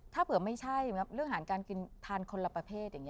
ถ้าเผื่อไม่ใช่เรื่องการกินทานคนละแผทอย่างนี้